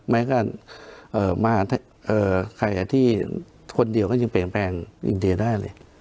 แม้ก็เอ่อมาเอ่อใครอาทิตย์คนเดียวก็ยังเปลี่ยนแปลงอินเดียได้เลย